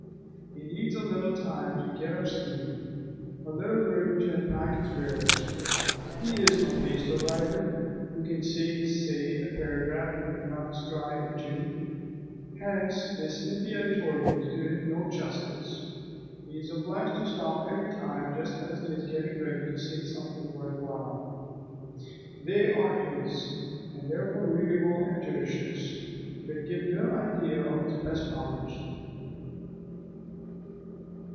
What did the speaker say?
He needs a little time to get up steam, a little room to unpack his wares; he is no pastel writer, who can say his say in a paragraph and runs dry in two. Hence these snippy editorials do him no justice: he is obliged to stop every time just as he is getting ready to say something worth while. They are his, and therefore readable and judicious; but they give no idea of his best powers.